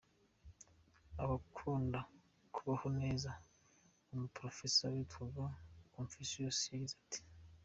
Abakunda kubaho neza, umuprofesa witwaga Conficius yagize ati :